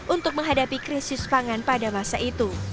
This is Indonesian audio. untuk menghadapi krisis pangan pada masa itu